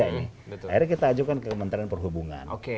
akhirnya kita ajukan ke kementerian perhubungan